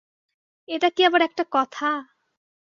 এটা কি আবার একটা কথা।